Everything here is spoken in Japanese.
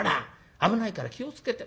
危ないから気を付けて。